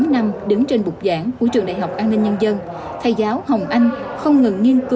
một mươi bốn năm đứng trên bục giảng của trường đại học an ninh nhân dân thầy giáo hồng anh không ngừng